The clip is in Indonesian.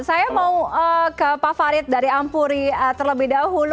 saya mau ke pak farid dari ampuri terlebih dahulu